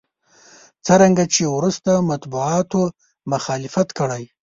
څرنګه چې وروسته مطبوعاتو مخالفت کړی.